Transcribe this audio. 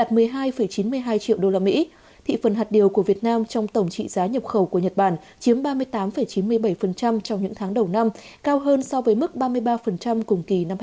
thị phần hạt điều của việt nam trong tổng trị giá nhập khẩu của nhật bản chiếm ba mươi tám chín mươi bảy trong những tháng đầu năm cao hơn so với mức ba mươi ba cùng kỳ năm hai nghìn hai mươi ba